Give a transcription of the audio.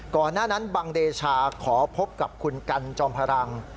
ก่อนหน้านั้นบังเดชาขอพบกับคุณกันจอมพลัง